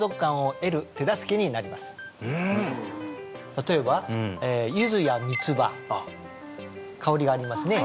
例えば柚子や三つ葉香りがありますね